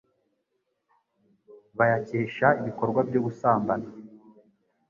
bayakesha ibikorwa byo gusambana.